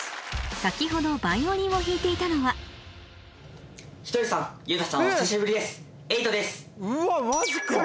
先ほどバイオリンを弾いていたのはうわっマジか！